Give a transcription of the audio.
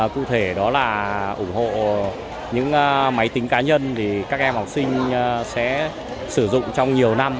cụ thể đó là ủng hộ những máy tính cá nhân thì các em học sinh sẽ sử dụng trong nhiều năm